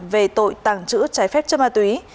về tội tàng trữ trái phép cho ma túy